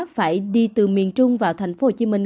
phải đi từ miền trung vào thành phố hồ chí minh